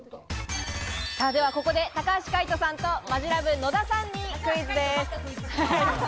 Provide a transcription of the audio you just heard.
ではここで、高橋海人さんとマヂラブ・野田さんにクイズです。